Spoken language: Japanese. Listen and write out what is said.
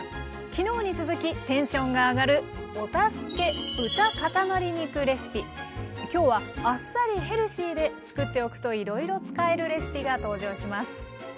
昨日に続きテンションが上がる今日はあっさりヘルシーで作っておくといろいろ使えるレシピが登場します。